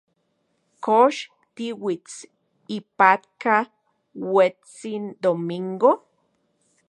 ¿Kox tiuits ipatka ueuetsin Domingo?